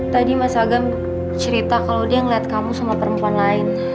tadi mas agam cerita kalau dia melihat kamu sama perempuan lain